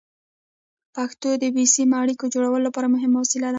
پښتو د بې سیمه اړیکو جوړولو لپاره مهمه وسیله ده.